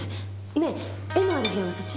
ねえ絵のある部屋はそっち？